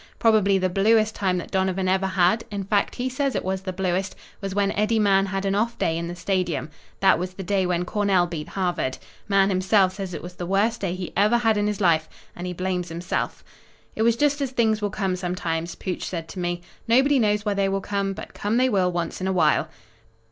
Probably the bluest time that Donovan ever had in fact, he says it was the bluest was when Eddie Mahan had an off day in the Stadium. That was the day when Cornell beat Harvard. Mahan himself says it was the worst day he ever had in his life, and he blames himself. "It was just as things will come sometimes," Pooch said to me. "Nobody knows why they will come, but come they will once in a while."